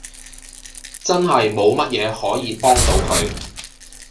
真係冇乜嘢可以幫到佢